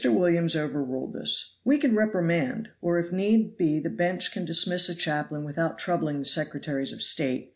Williams overruled this. "We can reprimand, or if need be the bench can dismiss a chaplain without troubling the Secretaries of State.